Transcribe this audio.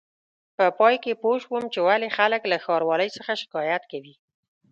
په پای کې پوه شوم چې ولې خلک له ښاروالۍ څخه شکایت کوي.